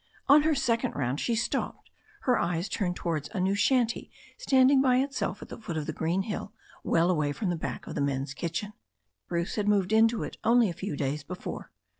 On hef second round she stopped, her eyes turned towards a new shanty standing by itself at the foot of the green hill, well away from the back of the men's kitchen. Bruce had moved into it only a few days before.